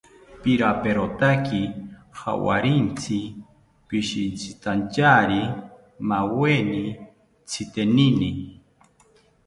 Piraperotaki jawarintzi, pishintzitantyari maaweni tzitenini